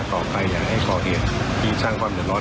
ต่อไปอยากให้ขอเหตุที่สร้างความเดินร้อน